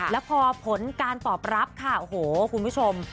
แล้วพอผลการตอบรับค่ะโอ้โหคุณผู้ชม